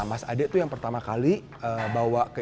oke terima kasih banyak